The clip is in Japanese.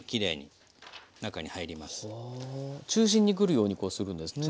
中心に来るようにするんですね。